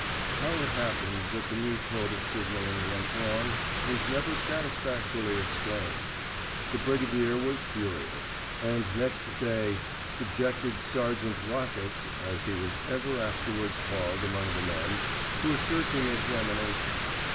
How it happened that the new code of signalling went wrong was never satisfactorily explained. The Brigadier was furious, and next day subjected Sergeant "Rockets," as he was ever afterwards called among the men, to a searching examination.